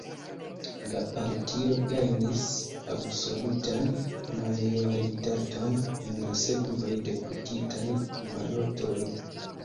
La partio gajnis absolutan majoritaton en la sekvaj deputitaj balotoj.